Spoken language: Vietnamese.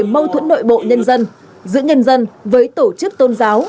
mâu thuẫn nội bộ nhân dân giữa nhân dân với tổ chức tôn giáo